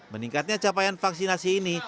meningkatnya capaian vaksinasi ini